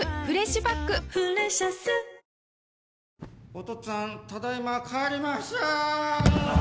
お父っつぁんただ今帰りました！